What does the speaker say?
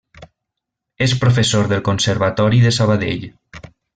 És professor del Conservatori de Sabadell.